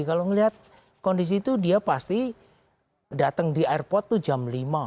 kalau melihat kondisi itu dia pasti datang di airport itu jam lima